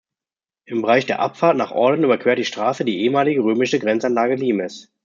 Im Bereich der Abfahrt nach Orlen überquert die Straße die ehemalige römische Grenzanlage Limes.